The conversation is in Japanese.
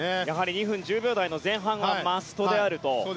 ２分１０秒台の前半がマストであると。